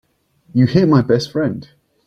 You hit my best friend.